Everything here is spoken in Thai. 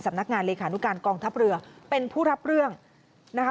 นักงานเลขานุการกองทัพเรือเป็นผู้รับเรื่องนะคะ